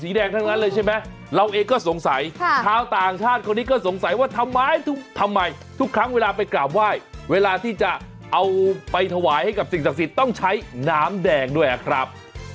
แดงทั้งนั้นเลยใช่ไหมเราเองก็สงสัยชาวต่างชาติคนนี้ก็สงสัยว่าทำไมทำไมทุกครั้งเวลาไปกราบไหว้เวลาที่จะเอาไปถวายให้กับสิ่งศักดิ์สิทธิ์ต้องใช้น้ำแดงด้วยครับ